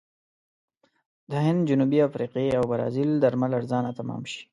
د هند، جنوبي افریقې او برازیل درمل ارزانه تمام شي.